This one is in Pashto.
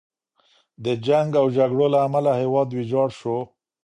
د جنګ او جګړو له امله هیواد ویجاړ شو.